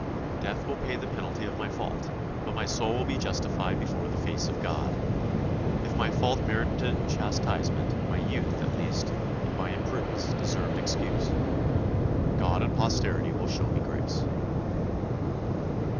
Death will pay the penalty of my fault, but my soul will be justified before the Face of God. If my fault merited chastisement, my youth, at least, and my imprudence, deserved excuse. God and posterity will show me grace."